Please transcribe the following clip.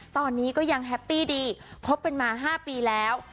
ตอนนี้ก็ยังแฮปปี้ดีคบกันมา๕ปีแล้ว